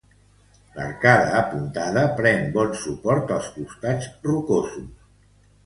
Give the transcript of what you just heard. L'arcada, apuntada, pren bon suport als costats rocosos.